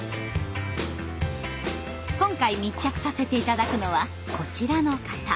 今回密着させて頂くのはこちらの方。